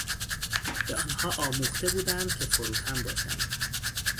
به آنها آموخته بودند که فروتن باشند.